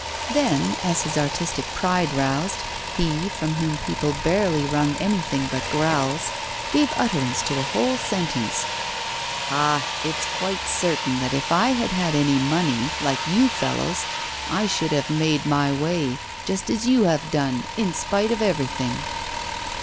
Then, as his artistic pride was roused, he, from whom people barely wrung anything but growls, gave utterance to a whole sentence: 'Ah! it's quite certain that if I had had any money, like you fellows, I should have made my way, just as you have done, in spite of everything.